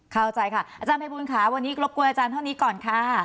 เข้าใจค่ะอาจารย์ภัยบูลค่ะวันนี้รบกวนอาจารย์เท่านี้ก่อนค่ะ